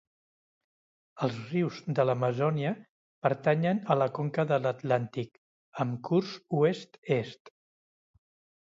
Els rius de l'Amazònia pertanyen a la conca de l'Atlàntic, amb curs oest-est.